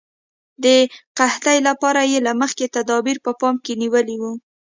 د قحطۍ لپاره یې له مخکې تدابیر په پام کې نیولي وو.